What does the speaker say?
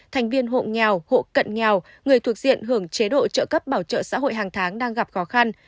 thành viên hộ nghèo hộ cận nghèo người thuộc diện hưởng chế độ trợ cấp bảo trợ xã hội hàng tháng đang gặp khó khăn